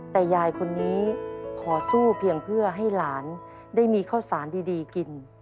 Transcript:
แต่ยายคนนี้ขอสู้เพียงเพื่อให้หลานได้มีข้าวสารดีกิน